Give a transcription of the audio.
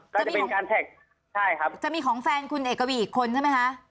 ก็จะเป็นการแท็กใช่ครับจะมีของแฟนคุณเอกวีอีกคนใช่ไหมคะ